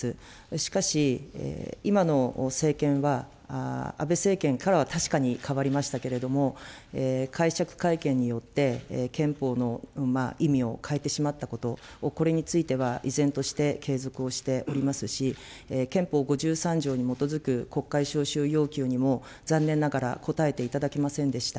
しかし、今の政権は、安倍政権からは確かにかわりましたけれども、解釈改憲によって憲法の意味を変えてしまったこと、これについては依然として継続をしておりますし、憲法５３条に基づく国会召集要求にも、残念ながら答えていただけませんでした。